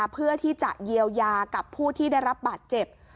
เพื่อที่จะเยียวยากับผู้ที่ได้รับบาดเจ็บ